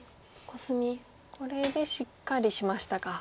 これでしっかりしましたか。